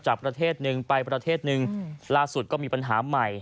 ประเทศหนึ่งไปประเทศหนึ่งล่าสุดก็มีปัญหาใหม่